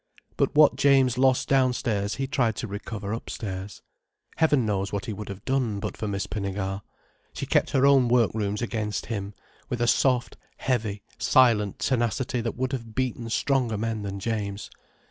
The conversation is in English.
But what James lost downstairs he tried to recover upstairs. Heaven knows what he would have done, but for Miss Pinnegar. She kept her own work rooms against him, with a soft, heavy, silent tenacity that would have beaten stronger men than James.